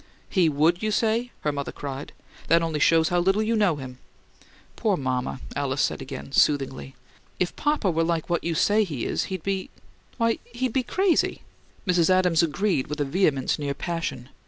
"He would, you say?" her mother cried. "That only shows how little you know him!" "Poor mama!" Alice said again, soothingly. "If papa were like what you say he is, he'd be why, he'd be crazy!" Mrs. Adams agreed with a vehemence near passion.